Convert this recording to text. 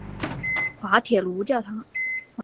滑铁卢教堂。